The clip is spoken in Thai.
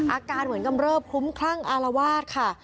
อาการเหมือนกำเริบคลุ้มคลั่งอารวาสค่ะ